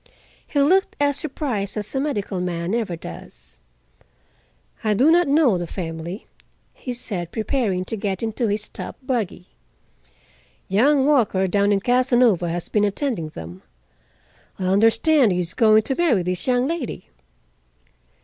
He looked as surprised as a medical man ever does. "I do not know the family," he said, preparing to get into his top buggy. "Young Walker, down in Casanova, has been attending them. I understand he is going to marry this young lady."